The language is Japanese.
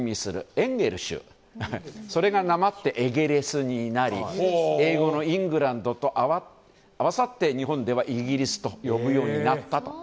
エンゲルシュそれがなまったエゲレスになり英語のイングランドと合わさって日本ではイギリスと呼ぶようになったと。